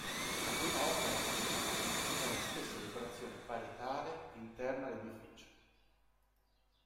La prima opera da segnalare è la stessa decorazione parietale interna dell'edificio.